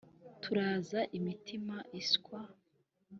Turaza imitima iswa